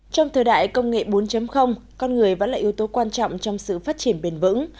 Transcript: trong thời đại công nghệ bốn con người vẫn là yếu tố quan trọng trong sự phát triển bền vững